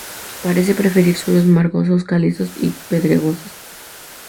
Parece preferir suelos margoso-calizos y pedregosos.